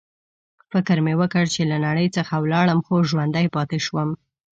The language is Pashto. فکر مې وکړ چې له نړۍ څخه ولاړم، خو ژوندی پاتې شوم.